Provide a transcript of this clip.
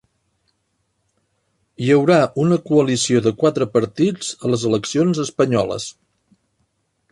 Hi haurà una coalició de quatre partits a les eleccions espanyoles